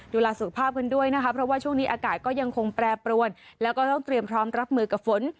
ดูแลสุขภาพกันด้วยนะคะเพราะว่าช่วงนี้อากาศก็ยังคงแปรปรวนแล้วก็ต้องเตรียมพร้อมรับมือกับฝน